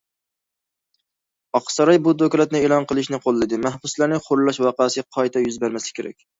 ئاقساراي بۇ دوكلاتنى ئېلان قىلىشنى قوللىدى، مەھبۇسلارنى خورلاش ۋەقەسى قايتا يۈز بەرمەسلىكى كېرەك.